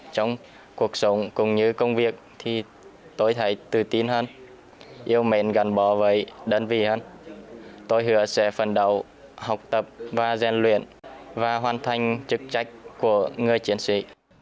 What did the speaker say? trong cuộc sống cũng như công việc thì tôi thấy tự tin hơn yêu mến gần bỏ với đơn vị hơn tôi hứa sẽ phần đầu học tập và gian luyện và hoàn thành trực trách của người chiến sĩ